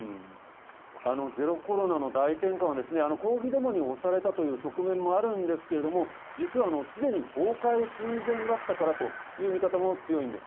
ゼロコロナの大転換は、抗議デモに押されたという側面もあるんですけれども、実は、すでに崩壊寸前だったからという見方も強いんです。